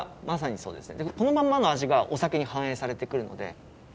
そうですね。